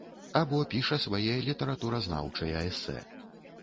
Або піша свае літаратуразнаўчыя эсэ.